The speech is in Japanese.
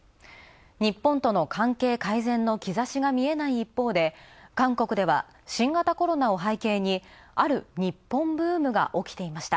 日本との関係改善の兆しが見えない一方、韓国では新型コロナを背景にある日本ブームが起きていました。